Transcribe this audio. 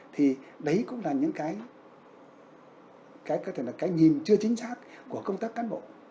thì đấy cũng là những cái có thể là cái nhìn chưa chính xác của công tác cán bộ